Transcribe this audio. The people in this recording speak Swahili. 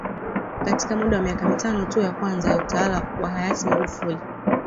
Katika muda wa miaka mitano tu ya kwanza ya utawala wa hayati Magufuli